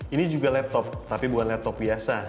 ini juga laptop tapi bukan laptop biasa